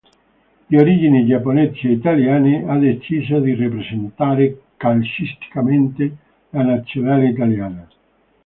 Di origini giapponesi e italiane, ha deciso di rappresentare calcisticamente la nazionale italiana.